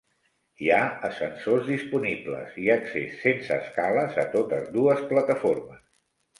Hi ha ascensors disponibles i accés sense escales a totes dues plataformes.